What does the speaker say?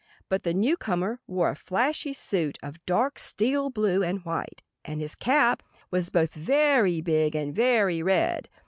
But the newcomer wore a flashy suit of dark steel blue and white; and his cap was both very big and very red.